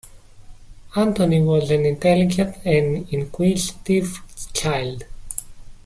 Anthony was an intelligent and inquisitive child.